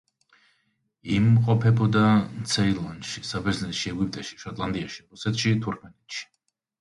იმყოფებოდა ცეილონში, საბერძნეთში, ეგვიპტეში, შოტლანდიაში, რუსეთში, თურქმენეთში.